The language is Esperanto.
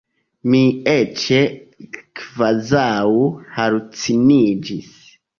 Mi eĉ kvazaŭ haluciniĝis.